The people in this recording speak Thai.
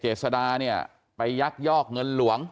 เจษดาเนี่ยไปยักยอกเงินหลวง